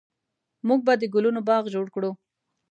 موږ به د ګلونو باغ جوړ کړو